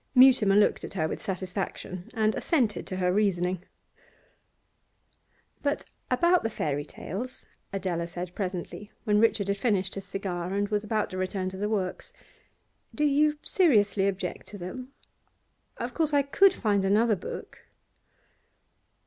Mutimer looked at her with satisfaction, and assented to her reasoning. 'But about the fairy tales,' Adela said presently, when Richard had finished his cigar and was about to return to the works. 'Do you seriously object to them? Of course I could find another book.